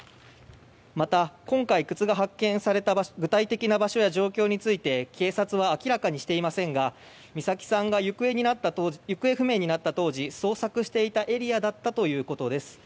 また、今回靴が発見された具体的な場所や状況について警察は明らかにしていませんが美咲さんが行方不明になった当時捜索していたエリアだったということです。